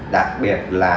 đặc biệt là